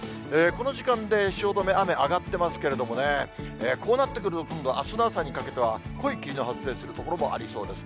この時間で、汐留、雨、上がってますけどもね、こうなってくると、今度はあすの朝にかけては濃い霧の発生する所もありそうです。